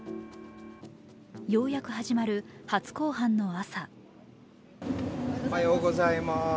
ようやく始まる初公判の朝。